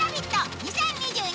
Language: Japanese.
２０２２」